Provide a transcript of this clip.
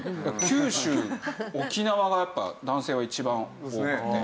九州・沖縄がやっぱ男性は一番多くて。